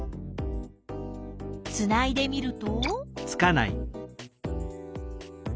つないでみると？